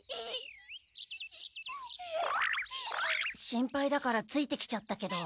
心配だからついてきちゃったけど。